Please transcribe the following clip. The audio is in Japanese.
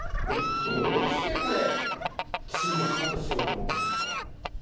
どうして、これ真珠をカットしようと思ったんですか？